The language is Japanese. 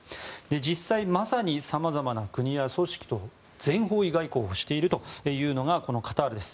実際、まさに様々な国や組織と全方位外交をしているというのがこのカタールです。